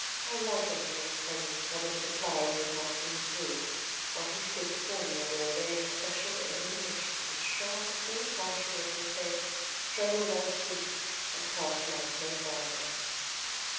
I liked entering his presence covered with a cloud he had not seen through, while he stood before me under a ray of special illumination which shone all partial over his head, trembled about his feet, and cast light no farther.